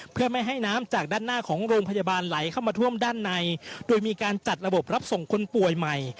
เพื่อไม่ให้น้ำจากด้านหน้าของโรงพยาบาลไหลเข้ามาท่วมด้านในโดยมีการจัดระบบรับส่งคนป่วยใหม่